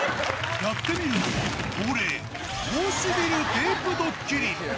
やってみると、恒例多すぎるテープドッキリ。